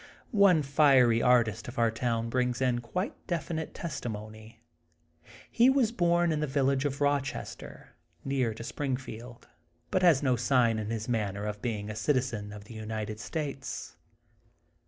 One fiery artist of our town brings in quite definite testimony. He was bom in the village of Rochester^ near to Springfield^ but has no sign in his manner of being a citizen of the United States.